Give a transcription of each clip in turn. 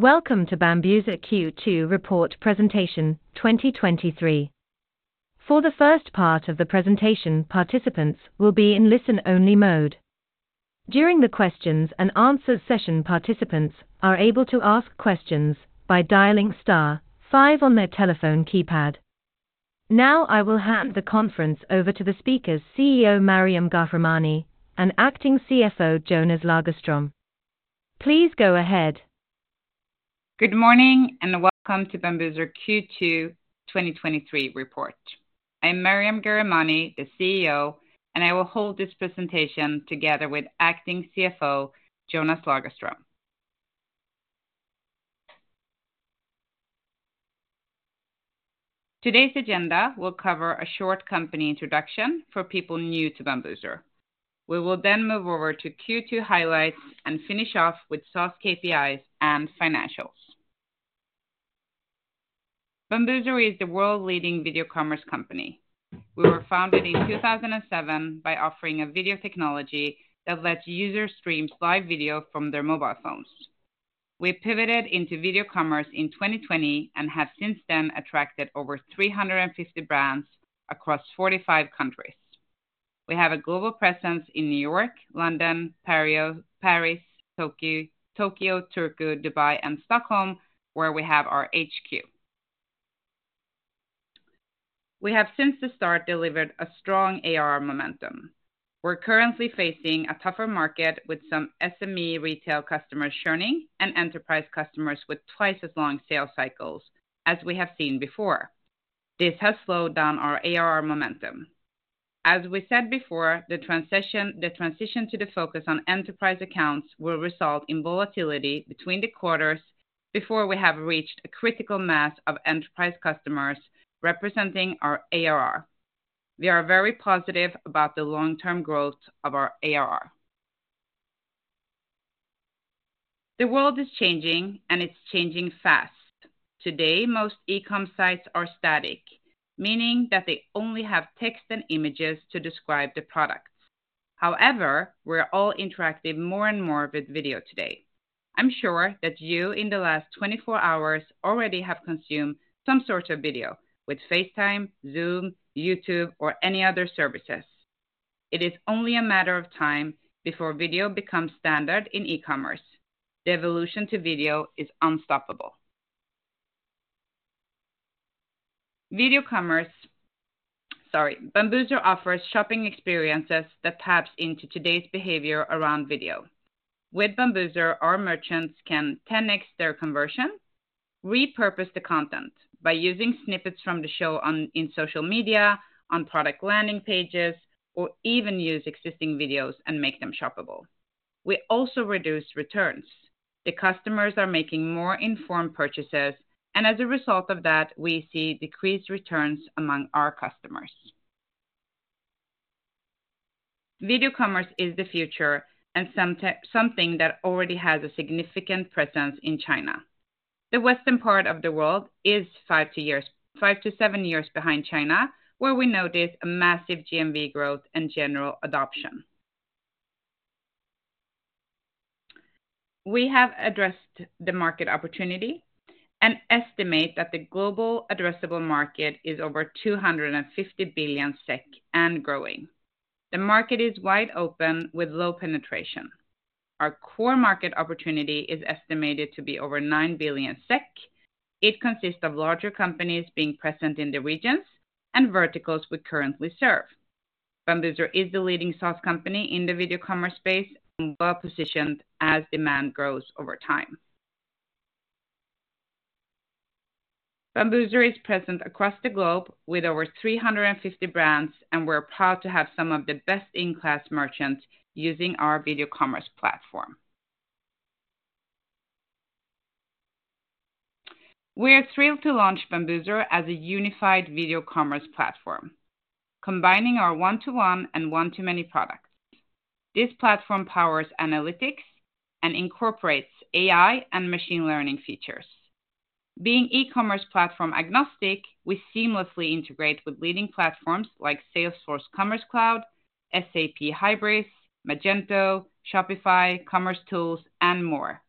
Welcome to Bambuser Q2 Report Presentation 2023. For the first part of the presentation, participants will be in listen-only mode. During the questions and answers session, participants are able to ask questions by dialing star five on their telephone keypad. Now, I will hand the conference over to the speakers, CEO Maryam Ghahremani, and Acting CFO, Jonas Lagerström. Please go ahead. Good morning, welcome to Bambuser Q2 2023 report. I'm Maryam Ghahremani, the CEO, and I will hold this presentation together with Acting CFO, Jonas Lagerström. Today's agenda will cover a short company introduction for people new to Bambuser. We will then move over to Q2 highlights and finish off with SaaS KPIs and financials. Bambuser is the world-leading video commerce company. We were founded in 2007 by offering a video technology that lets users stream live video from their mobile phones. We pivoted into video commerce in 2020 and have since then attracted over 350 brands across 45 countries. We have a global presence in New York, London, Paris, Tokyo, Turku, Dubai, and Stockholm, where we have our HQ. We have since the start, delivered a strong ARR momentum. We're currently facing a tougher market with some SME retail customers churning and enterprise customers with twice as long sales cycles as we have seen before. This has slowed down our ARR momentum. As we said before, the transition to the focus on enterprise accounts will result in volatility between the quarters before we have reached a critical mass of enterprise customers representing our ARR. We are very positive about the long-term growth of our ARR. The world is changing, and it's changing fast. Today, most e-com sites are static, meaning that they only have text and images to describe the products. However, we're all interacting more and more with video today. I'm sure that you, in the last 24 hours, already have consumed some sort of video with FaceTime, Zoom, YouTube, or any other services. It is only a matter of time before video becomes standard in e-commerce. The evolution to video is unstoppable. Video commerce. Sorry. Bambuser offers shopping experiences that taps into today's behavior around video. With Bambuser, our merchants can 10x their conversion, repurpose the content by using snippets from the show on, in social media, on product landing pages, or even use existing videos and make them shoppable. We also reduce returns. As a result of that, we see decreased returns among our customers. Video commerce is the future and something that already has a significant presence in China. The western part of the world is 5-7 years behind China, where we noticed a massive GMV growth and general adoption. We have addressed the market opportunity and estimate that the global addressable market is over 250 billion SEK and growing. The market is wide open with low penetration. Our core market opportunity is estimated to be over 9 billion SEK. It consists of larger companies being present in the regions and verticals we currently serve. Bambuser is the leading SaaS company in the video commerce space and well-positioned as demand grows over time. Bambuser is present across the globe with over 350 brands, and we're proud to have some of the best-in-class merchants using our video commerce platform. We are thrilled to launch Bambuser as a unified video commerce platform, combining our One-to-One and One-to-Many products. This platform powers analytics and incorporates AI and machine learning features. Being e-commerce platform agnostic, we seamlessly integrate with leading platforms like Salesforce Commerce Cloud, SAP Hybris, Magento, Shopify, commercetools, and more.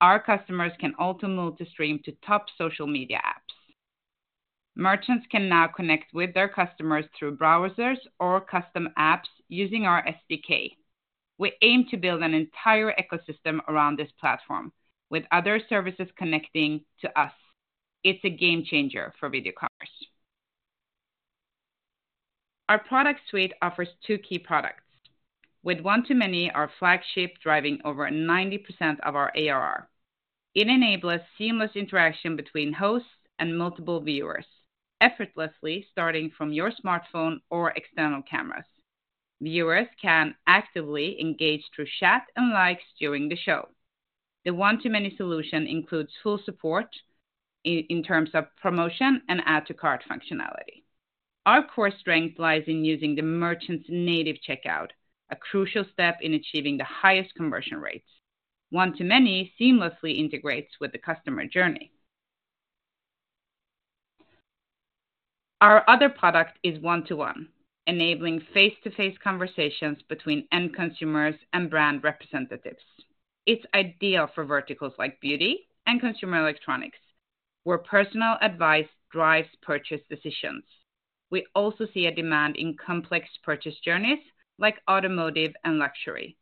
Our customers can also move to stream to top social media apps. Merchants can now connect with their customers through browsers or custom apps using our SDK. We aim to build an entire ecosystem around this platform, with other services connecting to us. It's a game-changer for video commerce. Our product suite offers two key products, with One-to-Many, our flagship, driving over 90% of our ARR. It enables seamless interaction between hosts and multiple viewers, effortlessly starting from your smartphone or external cameras. Viewers can actively engage through chat and likes during the show. The One-to-Many solution includes full support in terms of promotion and add to cart functionality. Our core strength lies in using the merchant's native checkout, a crucial step in achieving the highest conversion rates. One-to-Many seamlessly integrates with the customer journey. Our other product is One-to-One, enabling face-to-face conversations between end consumers and brand representatives. It's ideal for verticals like beauty and consumer electronics, where personal advice drives purchase decisions. We also see a demand in complex purchase journeys, like automotive and luxury.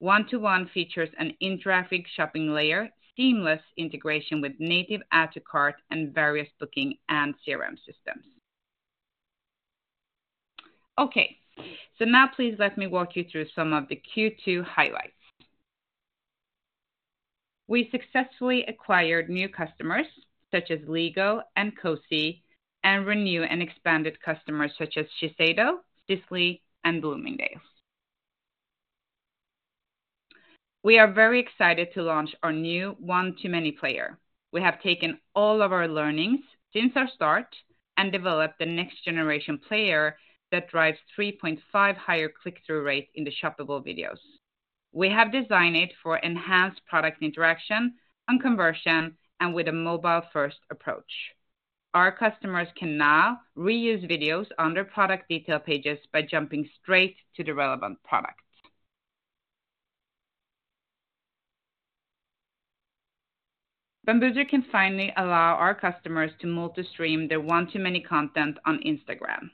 One-to-One features an in-traffic shopping layer, seamless integration with native add to cart, and various booking and CRM systems. Now please let me walk you through some of the Q2 highlights. We successfully acquired new customers, such as Lego and Cozy, and renew and expanded customers such as Shiseido, Sisley, and Bloomingdale's. We are very excited to launch our new One-to-Many player. We have taken all of our learnings since our start and developed the next generation player that drives 3.5 higher click-through rate in the shoppable videos. We have designed it for enhanced product interaction and conversion, and with a mobile-first approach. Our customers can now reuse videos on their product detail pages by jumping straight to the relevant product. Bambuser can finally allow our customers to multi-stream their One-to-Many content on Instagram.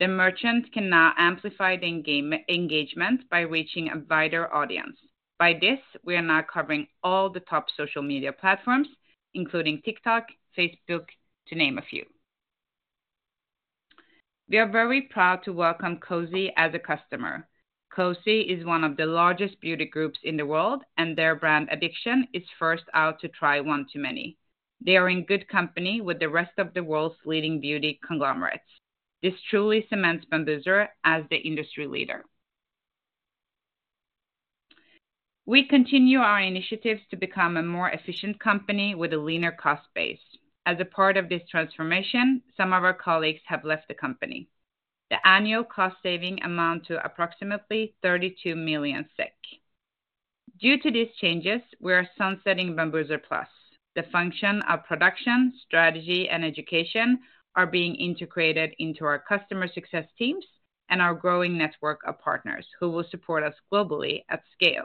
The merchants can now amplify the engagement by reaching a wider audience. By this, we are now covering all the top social media platforms, including TikTok, Facebook, to name a few. We are very proud to welcome Cozy as a customer. Cozy is one of the largest beauty groups in the world, and their brand, Addiction, is first out to try One-to-Many. They are in good company with the rest of the world's leading beauty conglomerates. This truly cements Bambuser as the industry leader. We continue our initiatives to become a more efficient company with a leaner cost base. As a part of this transformation, some of our colleagues have left the company. The annual cost saving amount to approximately 32 million SEK. Due to these changes, we are sunsetting Bambuser Plus. The function of production, strategy, and education are being integrated into our customer success teams and our growing network of partners, who will support us globally at scale.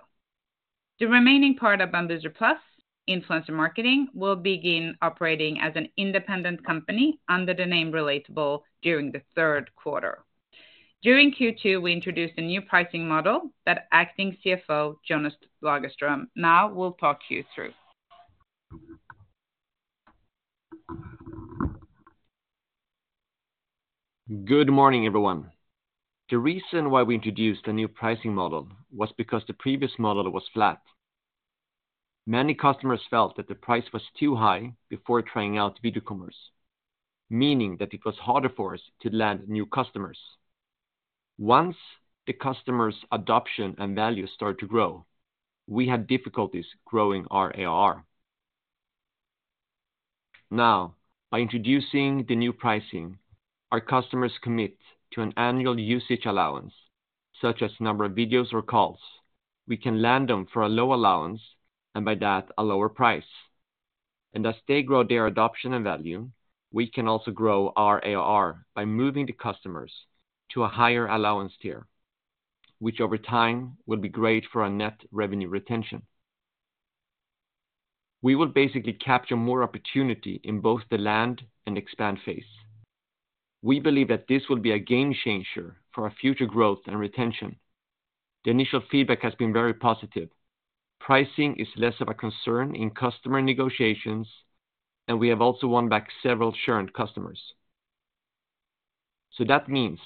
The remaining part of Bambuser Plus, influencer marketing, will begin operating as an independent company under the name Relatable during the third quarter. During Q2, we introduced a new pricing model that Acting CFO, Jonas Lagerström, now will talk you through. Good morning, everyone. The reason why we introduced a new pricing model was because the previous model was flat. Many customers felt that the price was too high before trying out video commerce, meaning that it was harder for us to land new customers. Once the customer's adoption and value started to grow, we had difficulties growing our ARR. Now, by introducing the new pricing, our customers commit to an annual usage allowance, such as number of videos or calls. We can land them for a low allowance, and by that, a lower price. As they grow their adoption and value, we can also grow our ARR by moving the customers to a higher allowance tier, which over time will be great for our Net Revenue Retention. We will basically capture more opportunity in both the land and expand phase. We believe that this will be a game changer for our future growth and retention. The initial feedback has been very positive. Pricing is less of a concern in customer negotiations. We have also won back several current customers. That means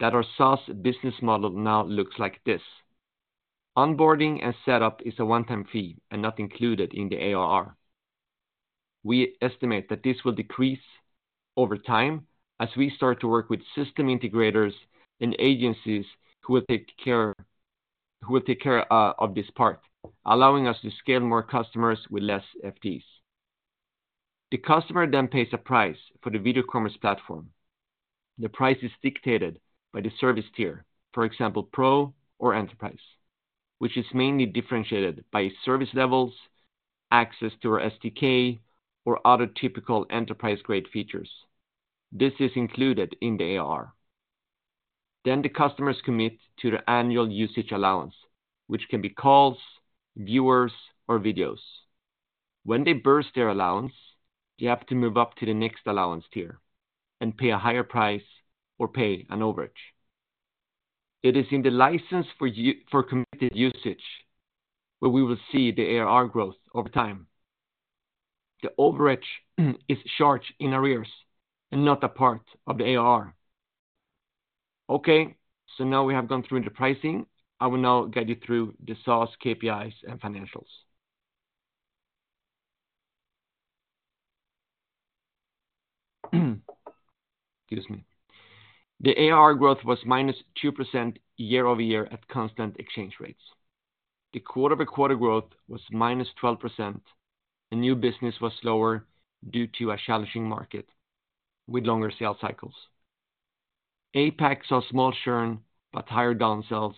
that our SaaS business model now looks like this. Onboarding and setup is a one-time fee and not included in the ARR. We estimate that this will decrease over time as we start to work with system integrators and agencies who will take care of this part, allowing us to scale more customers with less FTEs. The customer pays a price for the Video Commerce platform. The price is dictated by the service tier, for example, Pro or Enterprise, which is mainly differentiated by service levels, access to our SDK, or other typical enterprise-grade features. This is included in the ARR. The customers commit to the annual usage allowance, which can be calls, viewers, or videos. When they burst their allowance, they have to move up to the next allowance tier and pay a higher price or pay an overage. It is in the license for committed usage, where we will see the ARR growth over time. The overage is charged in arrears and not a part of the ARR. Now we have gone through the pricing. I will now guide you through the SaaS, KPIs, and financials. Excuse me. The ARR growth was -2% year-over-year at constant exchange rates. The quarter-over-quarter growth was -12%. The new business was slower due to a challenging market with longer sales cycles. APAC saw small churn but higher down sells,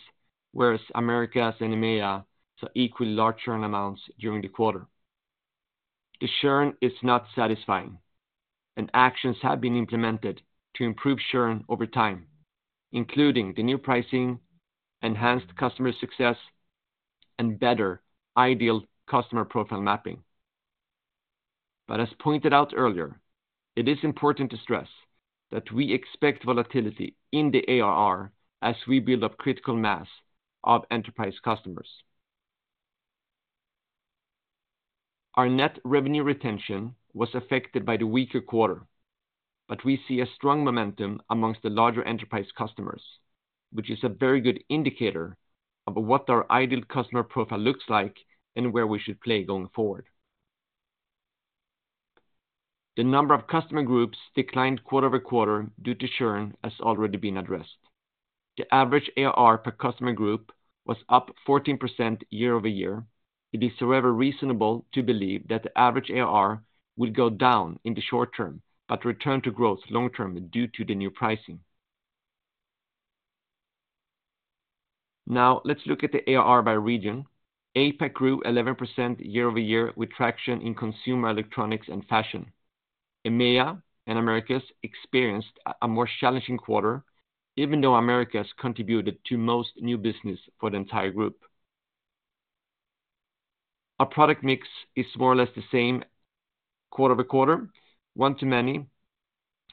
whereas Americas and EMEA saw equally large churn amounts during the quarter. The churn is not satisfying, and actions have been implemented to improve churn over time, including the new pricing, enhanced customer success, and better ideal customer profile mapping. As pointed out earlier, it is important to stress that we expect volatility in the ARR as we build up critical mass of enterprise customers. Our Net Revenue Retention was affected by the weaker quarter, we see a strong momentum amongst the larger enterprise customers, which is a very good indicator of what our ideal customer profile looks like and where we should play going forward. The number of customer groups declined quarter-over-quarter due to churn, as already been addressed. The average ARR per customer group was up 14% year-over-year. It is reasonable to believe that the average ARR will go down in the short term, but return to growth long term due to the new pricing. Let's look at the ARR by region. APAC grew 11% year-over-year with traction in consumer electronics and fashion. EMEA and Americas experienced a more challenging quarter, even though Americas contributed to most new business for the entire group. Our product mix is more or less the same quarter-over-quarter. One-to-Many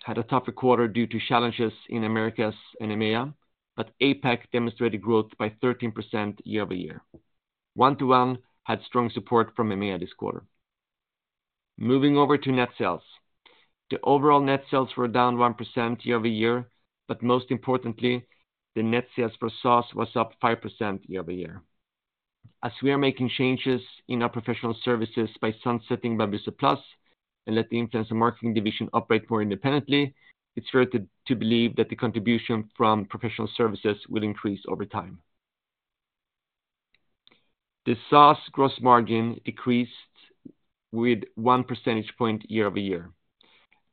had a tougher quarter due to challenges in Americas and EMEA, APAC demonstrated growth by 13% year-over-year. One-to-One had strong support from EMEA this quarter. Moving over to net sales. The overall net sales were down 1% year-over-year, most importantly, the net sales for SaaS was up 5% year-over-year. As we are making changes in our professional services by sunsetting Bambuser Plus and let the influence and marketing division operate more independently, it's fair to believe that the contribution from professional services will increase over time. The SaaS gross margin decreased with 1 percentage point year-over-year.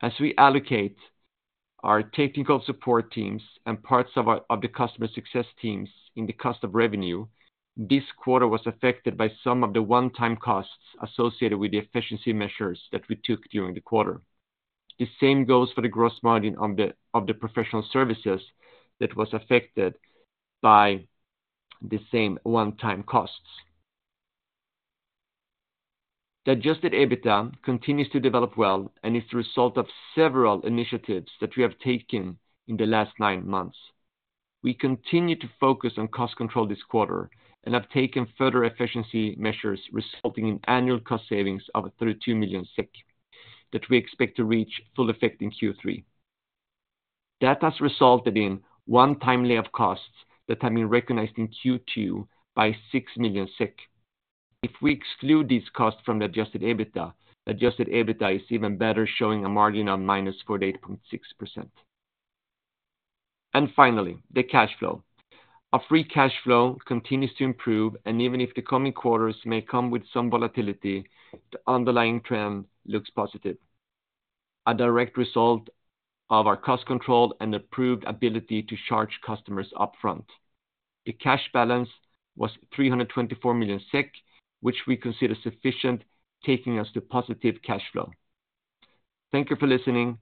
As we allocate our technical support teams and parts of the customer success teams in the cost of revenue, this quarter was affected by some of the one-time costs associated with the efficiency measures that we took during the quarter. The same goes for the gross margin of the professional services that was affected by the same one-time costs. The adjusted EBITDA continues to develop well and is the result of several initiatives that we have taken in the last nine months. We continue to focus on cost control this quarter and have taken further efficiency measures, resulting in annual cost savings of 32 million SEK, that we expect to reach full effect in Q3. That has resulted in one-time lay of costs that have been recognized in Q2 by 6 million SEK. If we exclude these costs from the adjusted EBITDA, adjusted EBITDA is even better, showing a margin of -48.6%. Finally, the cash flow. Our free cash flow continues to improve, and even if the coming quarters may come with some volatility, the underlying trend looks positive, a direct result of our cost control and improved ability to charge customers upfront. The cash balance was 324 million SEK, which we consider sufficient, taking us to positive cash flow. Thank you for listening.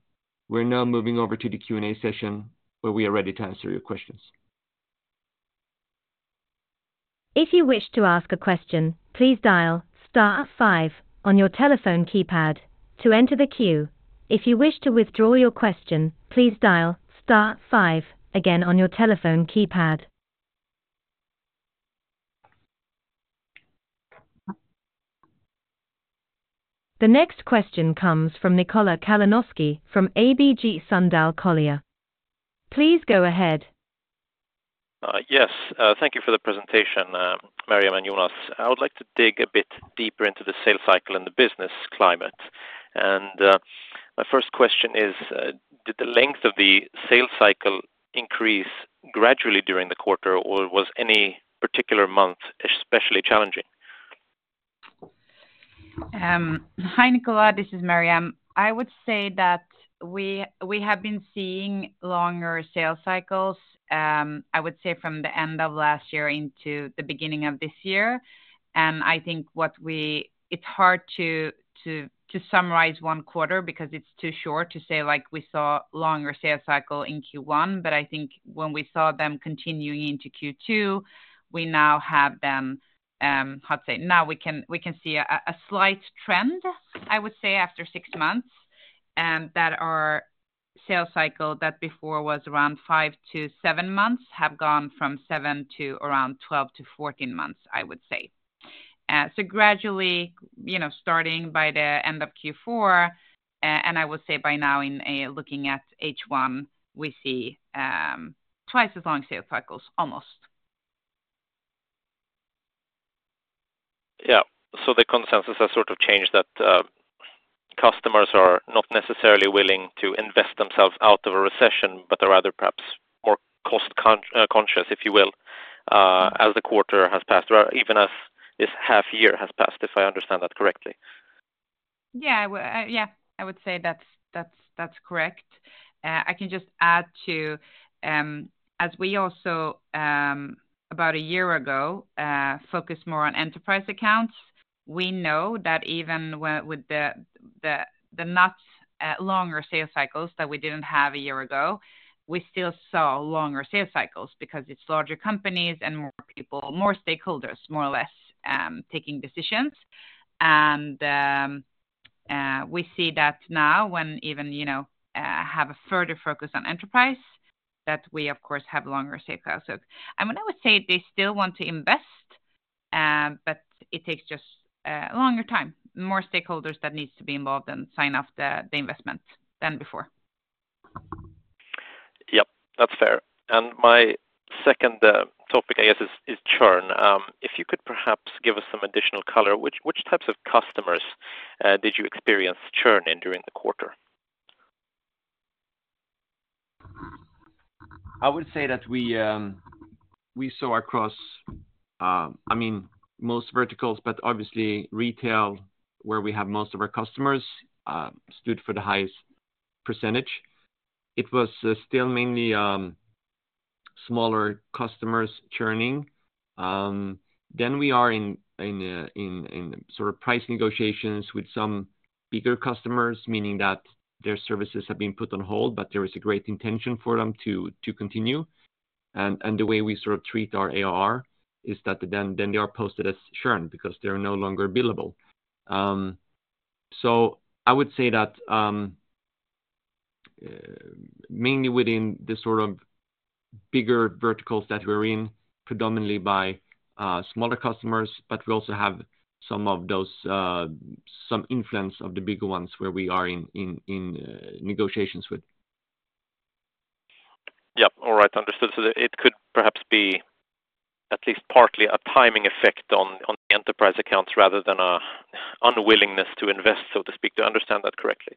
We're now moving over to the Q&A session, where we are ready to answer your questions. If you wish to ask a question, please dial star five on your telephone keypad to enter the queue. If you wish to withdraw your question, please dial star five again on your telephone keypad. The next question comes from Nikola Kalinowski from ABG Sundal Collier. Please go ahead. Yes, thank you for the presentation, Maryam and Jonas. I would like to dig a bit deeper into the sales cycle and the business climate. My first question is, did the length of the sales cycle increase gradually during the quarter, or was any particular month especially challenging? Hi, Nikola. This is Maryam. I would say that we have been seeing longer sales cycles, I would say from the end of last year into the beginning of this year. I think what it's hard to summarize 1 quarter because it's too short to say, like, we saw longer sales cycle in Q1, but I think when we saw them continuing into Q2, we now have them, how to say? Now we can see a slight trend, I would say, after 6 months, that our sales cycle that before was around 5-7 months, have gone from seven to around 12-14 months, I would say. Gradually, you know, starting by the end of Q4, I would say by now in, looking at H1, we see twice as long sales cycles, almost. Yeah. The consensus has sort of changed that, customers are not necessarily willing to invest themselves out of a recession, but they're rather perhaps more cost conscious, if you will, as the quarter has passed, or even as this half year has passed, if I understand that correctly? Yeah, well, yeah, I would say that's correct. I can just add to, as we also, about a year ago, focused more on enterprise accounts. We know that even with the not longer sales cycles that we didn't have a year ago, we still saw longer sales cycles because it's larger companies and more people, more stakeholders, more or less, taking decisions. We see that now when even, you know, have a further focus on enterprise, that we, of course, have longer sales cycles. When I would say they still want to invest, but it takes just a longer time, more stakeholders that needs to be involved and sign off the investment than before. Yep, that's fair. My second topic, I guess, is churn. If you could perhaps give us some additional color, which types of customers did you experience churn in during the quarter? I would say that we saw across, I mean, most verticals, but obviously retail, where we have most of our customers, stood for the highest percentage. It was still mainly smaller customers churning. Then we are in sort of price negotiations with some bigger customers, meaning that their services have been put on hold, but there is a great intention for them to continue. The way we sort of treat our ARR is that then they are posted as churn because they are no longer billable. I would say that mainly within the sort of bigger verticals that we're in, predominantly by smaller customers, but we also have some of those, some influence of the bigger ones where we are in negotiations with. Yep. All right, understood. It could perhaps be at least partly a timing effect on the enterprise accounts rather than a unwillingness to invest, so to speak. Do I understand that correctly?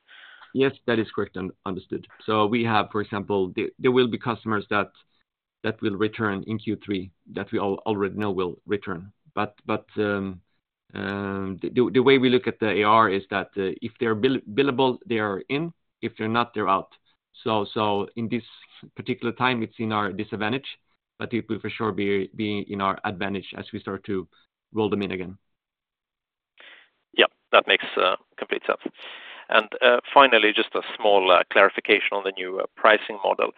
Yes, that is correct and understood. We have, for example, there will be customers that will return in Q3, that we already know will return. The way we look at the AR is that if they're billable, they are in, if they're not, they're out. In this particular time, it's in our disadvantage, but it will for sure be in our advantage as we start to roll them in again. Yep, that makes complete sense. Finally, just a small clarification on the new pricing model.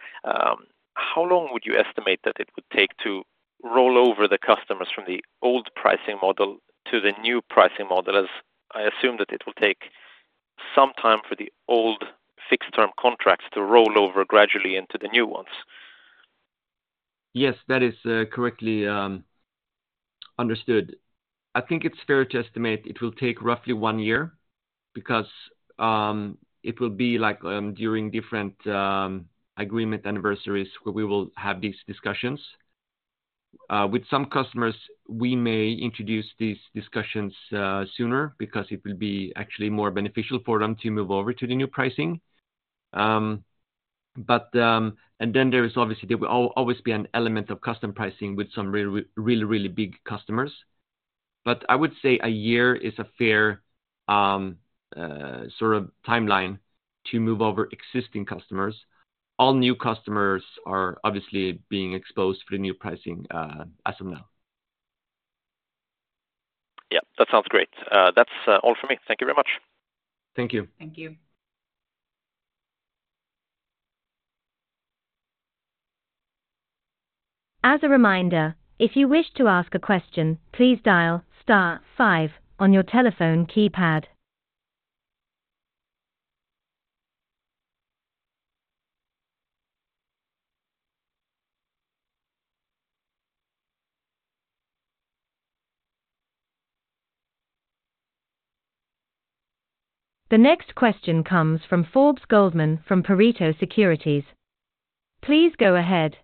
How long would you estimate that it would take to roll over the customers from the old pricing model to the new pricing model? I assume that it will take some time for the old fixed-term contracts to roll over gradually into the new ones. Yes, that is correctly understood. I think it's fair to estimate it will take roughly one year because it will be like during different agreement anniversaries, where we will have these discussions. With some customers, we may introduce these discussions sooner because it will be actually more beneficial for them to move over to the new pricing. Then there is obviously, there will always be an element of custom pricing with some really, really big customers. I would say a year is a fair sort of timeline to move over existing customers. All new customers are obviously being exposed to the new pricing as of now. Yeah, that sounds great. That's all for me. Thank you very much. Thank you. Thank you. As a reminder, if you wish to ask a question, please dial star five on your telephone keypad. The next question comes from Pontus Gårdinger, from Pareto Securities. Please go ahead.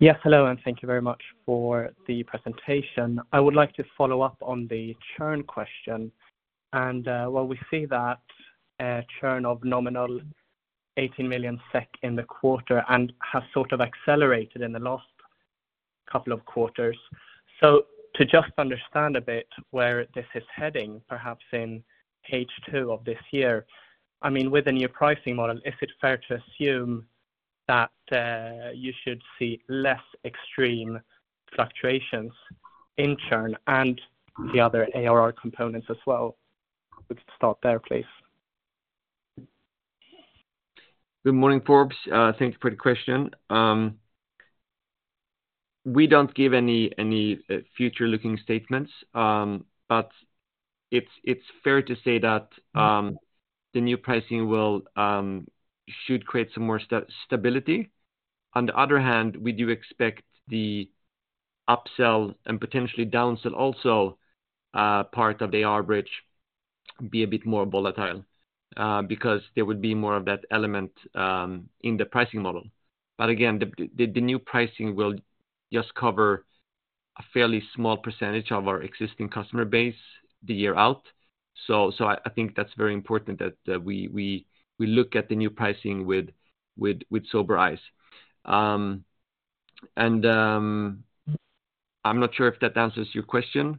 Hello, thank you very much for the presentation. I would like to follow up on the churn question. Well, we see that churn of nominal 18 million SEK in the quarter and has sort of accelerated in the last couple of quarters. To just understand a bit where this is heading, perhaps in H2 of this year, I mean, with the new pricing model, is it fair to assume that you should see less extreme fluctuations in churn and the other ARR components as well? We could start there, please. Good morning, Forbes. Thank you for the question. We don't give any future-looking statements, but it's fair to say that the new pricing will should create some more stability. On the other hand, we do expect the upsell and potentially downsell also, part of the average be a bit more volatile, because there would be more of that element in the pricing model. Again, the new pricing will just cover a fairly small percentage of our existing customer base the year out. I think that's very important that we look at the new pricing with sober eyes. I'm not sure if that answers your question?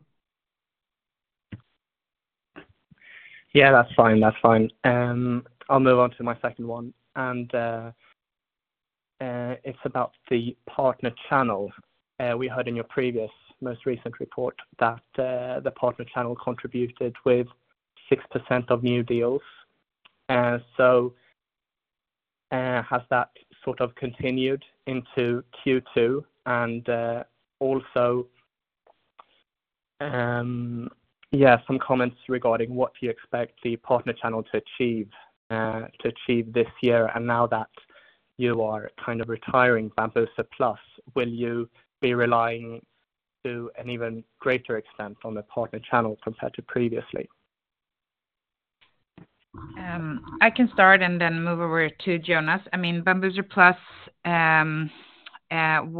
Yeah, that's fine, that's fine. I'll move on to my second one, and it's about the partner channel. We heard in your previous, most recent report that the partner channel contributed with 6% of new deals. Has that sort of continued into Q2? Also, yeah, some comments regarding what you expect the partner channel to achieve this year, and now that you are kind of retiring Bambuser Plus, will you be relying to an even greater extent on the partner channel compared to previously? I can start and then move over to Jonas. I mean, Bambuser Plus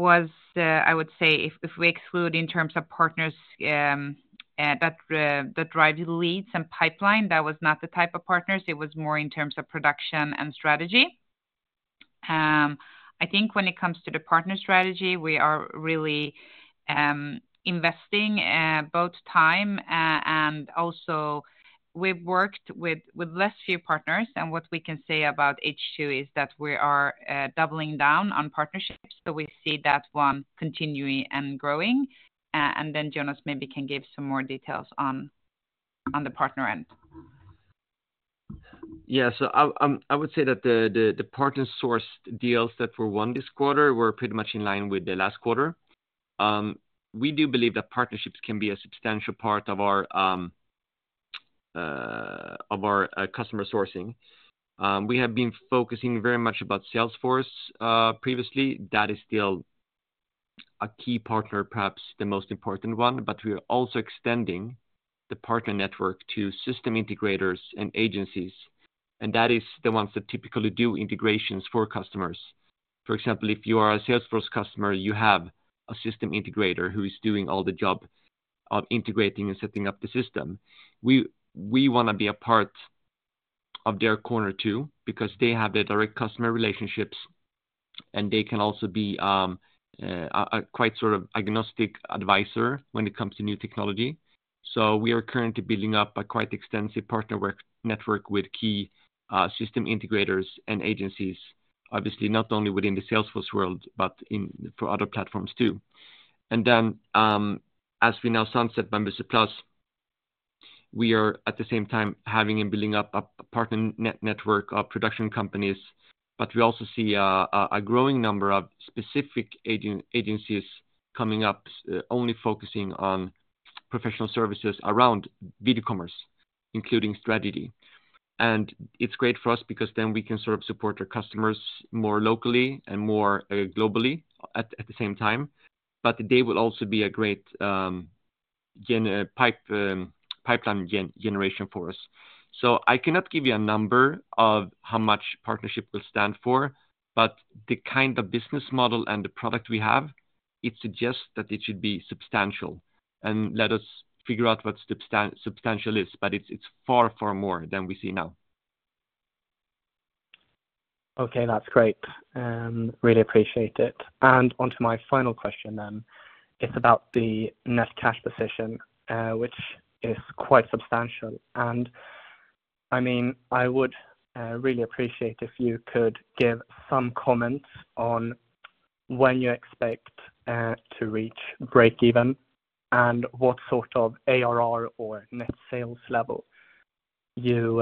was, I would say if we exclude in terms of partners, that drive leads and pipeline, that was not the type of partners, it was more in terms of production and strategy. I think when it comes to the partner strategy, we are really investing both time and also we've worked with less few partners, and what we can say about H2 is that we are doubling down on partnerships. We see that one continuing and growing. Jonas maybe can give some more details on the partner end. Yeah. I would say that the partner source deals that were won this quarter were pretty much in line with the last quarter. We do believe that partnerships can be a substantial part of our of our customer sourcing. We have been focusing very much about Salesforce previously. That is still a key partner, perhaps the most important one, but we are also extending the partner network to system integrators and agencies, and that is the ones that typically do integrations for customers. For example, if you are a Salesforce customer, you have a system integrator who is doing all the job of integrating and setting up the system. We wanna be a part of their corner too, because they have the direct customer relationships, and they can also be a quite sort of agnostic advisor when it comes to new technology. We are currently building up a quite extensive partner network with key system integrators and agencies, obviously, not only within the Salesforce world, but for other platforms, too. As we now sunset Bambuser Plus, we are at the same time having and building up a partner network of production companies, but we also see a growing number of specific agencies coming up, only focusing on professional services around video commerce, including strategy. It's great for us because then we can sort of support our customers more locally and more globally at the same time. They will also be a great pipeline generation for us. I cannot give you a number of how much partnership will stand for, but the kind of business model and the product we have, it suggests that it should be substantial. Let us figure out what substantial is, but it's far more than we see now. Okay, that's great. really appreciate it. Onto my final question then. It's about the net cash position, which is quite substantial. I mean, I would really appreciate if you could give some comments on when you expect to reach break even, and what sort of ARR or net sales level you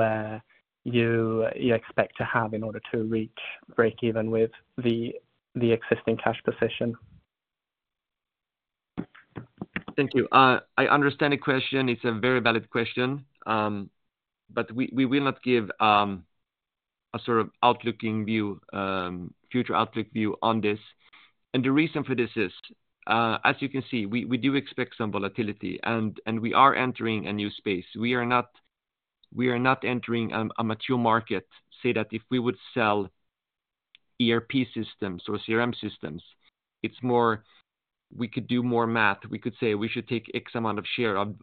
expect to have in order to reach break even with the existing cash position. Thank you. I understand the question. It's a very valid question, but we will not give a sort of outlooking view, future outlook view on this. The reason for this is, as you can see, we do expect some volatility, and we are entering a new space. We are not entering a mature market. Say that if we would sell ERP systems or CRM systems, it's more, we could do more math. We could say, we should take X amount of share of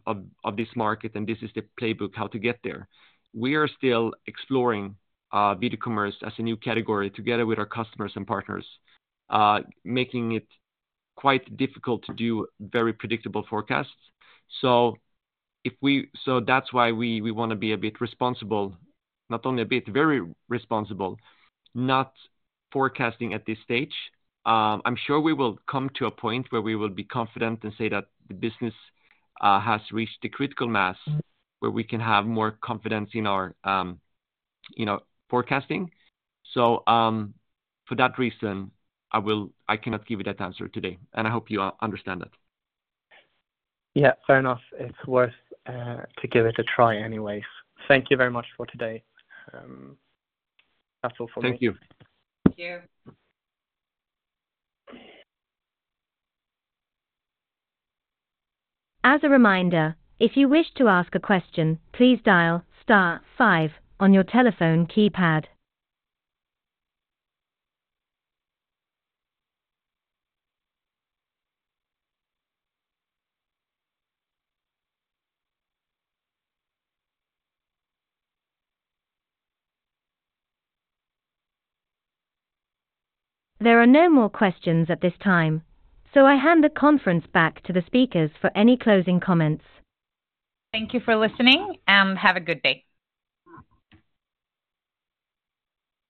this market, and this is the playbook, how to get there. We are still exploring video commerce as a new category together with our customers and partners, making it quite difficult to do very predictable forecasts. That's why we wanna be a bit responsible, not only a bit, very responsible, not forecasting at this stage. I'm sure we will come to a point where we will be confident and say that the business has reached a critical mass, where we can have more confidence in our, you know, forecasting. For that reason, I cannot give you that answer today, and I hope you understand that. Yeah, fair enough. It's worth to give it a try anyways. Thank you very much for today. That's all for me. Thank you. Thank you. As a reminder, if you wish to ask a question, please dial star five on your telephone keypad. There are no more questions at this time. I hand the conference back to the speakers for any closing comments. Thank you for listening, and have a good day.